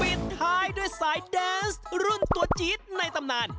ปิดท้ายด้วยสายแดนส์รุ่นตัวจี๊ดในตำนาน